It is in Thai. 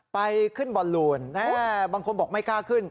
ไปขึ้นบอลลูนบางคนบอกไม่กล้าขึ้น